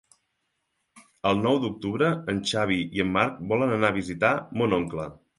El nou d'octubre en Xavi i en Marc volen anar a visitar mon oncle.